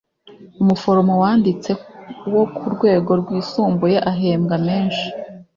umuforomo wanditse wo ku rwego rwisumbuye ahembwa meshi.